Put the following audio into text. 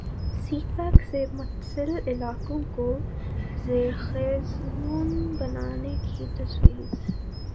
سی pack سے متصل علاقوں کو ذرخیز زون بنانے کی تجویز